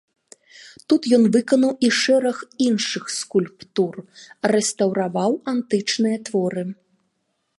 Тут ён выканаў і шэраг іншых скульптур, рэстаўраваў антычныя творы.